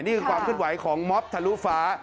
นี่คือความขึ้นไหวของม็อบทะลุฟ้า